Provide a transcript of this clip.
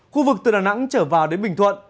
khu vực từ đà nẵng trở vào đến bình thuận